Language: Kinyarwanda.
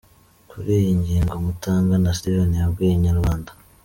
Kuri iyi ngingo Mutangana Steven yabwiye Inyarwanda.